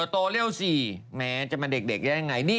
โตเร็วสิแม้จะมาเด็กได้ยังไง